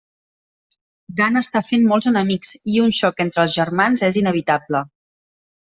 Dan està fent molts enemics, i un xoc entre els germans és inevitable.